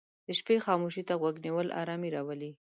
د شپې خاموشي ته غوږ نیول آرامي راولي.